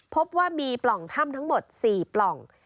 พบว่ามีปล่องถ้ำทั้งหมด๔ปล่อง